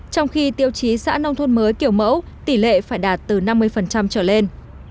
trong khi tiêu chí xã nông thôn mới kiểu mẫu tỷ lệ phải đạt từ năm mươi trở lên